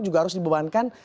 juga harus dibebankan